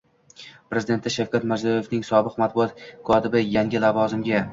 Prezidenti Shavkat Mirzijoevning sobiq matbuot kotibi Yangi lavozimga